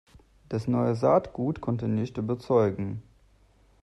Das neue Saatgut konnte nicht überzeugen.